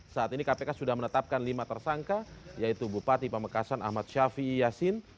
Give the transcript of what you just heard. saat ini kpk sudah menetapkan lima tersangka yaitu bupati pamekasan ahmad syafii ⁇ yasin